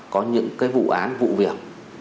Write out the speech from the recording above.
có những cái vụ án vụ việc